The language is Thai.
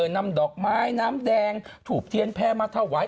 นำดอกไม้น้ำแดงถูบเทียนแพร่มาถวาย